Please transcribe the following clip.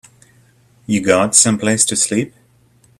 You got someplace to sleep?